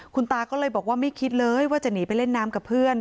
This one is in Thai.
คุณตาก็เลยบอกว่าไม่คิดเลยว่าจะหนีไปเล่นน้ำกับเพื่อน